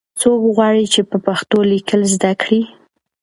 څوک غواړي چې په پښتو لیکل زده کړي؟